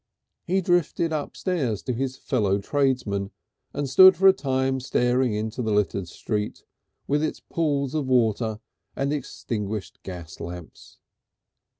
He drifted upstairs to his fellow tradesmen, and stood for a time staring into the littered street, with its pools of water and extinguished gas lamps.